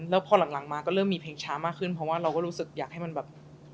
แล้วพอหลังมาก็เริ่มมีเพลงช้ามากขึ้นเพราะว่าเราก็รู้สึกอยากให้มันแบบ